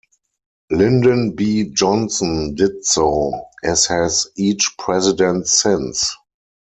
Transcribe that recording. Lyndon B. Johnson did so, as has each President since.